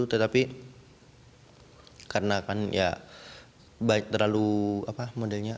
tetapi karena kan ya terlalu apa modelnya